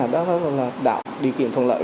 đó là điều kiện thuận lợi